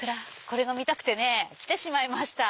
これが見たくて来てしまいました。